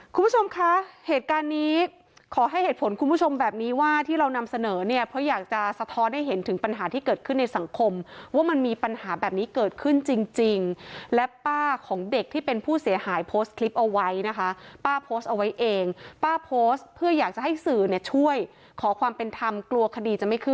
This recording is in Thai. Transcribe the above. คุณผู้ชมคะเหตุการณ์นี้ขอให้เหตุผลคุณผู้ชมแบบนี้ว่าที่เรานำเสนอเนี่ยเพราะอยากจะสะท้อนให้เห็นถึงปัญหาที่เกิดขึ้นในสังคมว่ามันมีปัญหาแบบนี้เกิดขึ้นจริงจริงและป้าของเด็กที่เป็นผู้เสียหายโพสต์คลิปเอาไว้นะคะป้าโพสต์เอาไว้เองป้าโพสต์เพื่ออยากจะให้สื่อเนี่ยช่วยขอความเป็นธรรมกลัวคดีจะไม่คื